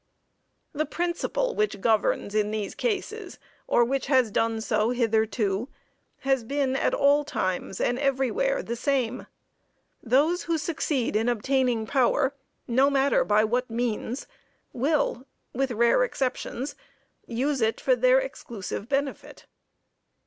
The principle which governs in these cases, or which has done so hitherto, has been at all times and everywhere the same. Those who succeed in obtaining power, no matter by what means, will, with rare exceptions, use it for their exclusive benefit.